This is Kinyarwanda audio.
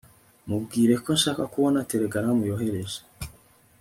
mubwire ko nshaka kubona telegaramu yohereje